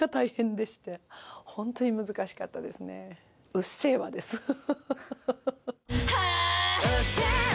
「うっせぇわ」ですハハハハハはぁ？